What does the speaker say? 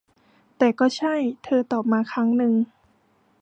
แต่ก็ใช่ เธอตอบมาครั้งนึง